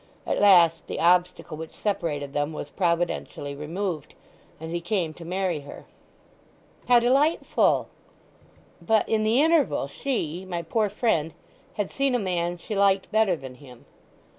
At last the obstacle which separated them was providentially removed; and he came to marry her." "How delightful!" "But in the interval she—my poor friend—had seen a man, she liked better than him.